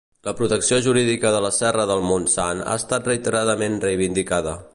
La protecció jurídica de la serra del Montsant ha estat reiteradament reivindicada.